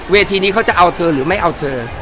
เวทีนี้เขาจะเอาเธอหรือไม่เอาเธอ